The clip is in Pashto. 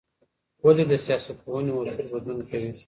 ولي د سياستپوهني اصول بدلون کوي؟